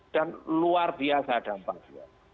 dan luar biasa dampaknya